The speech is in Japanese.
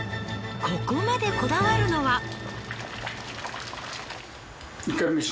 ここまでこだわるのは。